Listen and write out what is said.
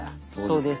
そうです。